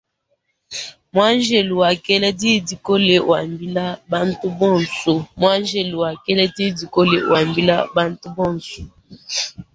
Muanjelo wakela diyi dikole wambila bantu bonso.